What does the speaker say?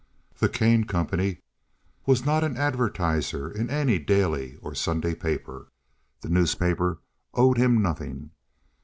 The Kane Company was not an advertiser in any daily or Sunday paper. The newspaper owed him nothing.